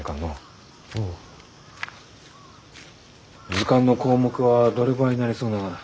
図鑑の項目はどればあになりそうながな？